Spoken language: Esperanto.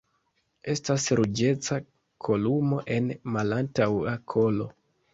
Estas ruĝeca kolumo en malantaŭa kolo.